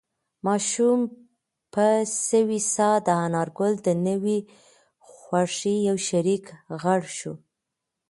ماشوم په سوې ساه د انارګل د نوې خوښۍ یو شریک غړی شو.